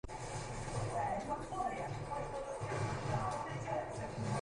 • Oy itning hurishiga qarab turmaydi.